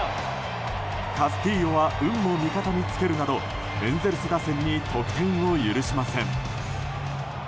カスティーヨは運も味方につけるなどエンゼルス打線に得点を許しません。